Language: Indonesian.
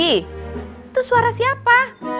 itu suara siapa